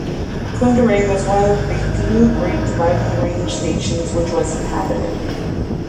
Kunderang was one of the few Great Dividing Range stations which was inhabited.